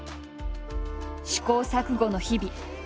試行錯誤の日々。